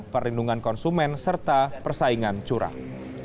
perlindungan konsumen serta persaingan curah